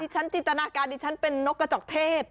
จินตนาการดิฉันเป็นนกกระจอกเทศ